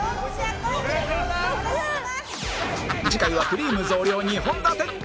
次回はくりぃむ増量２本立て！